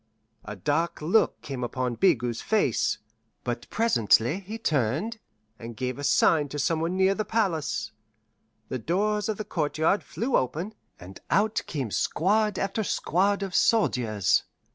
A dark look came upon Bigot's face; but presently he turned, and gave a sign to some one near the palace. The doors of the courtyard flew open, and out came squad after squad of soldiers.